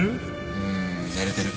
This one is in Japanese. うーん寝れてる。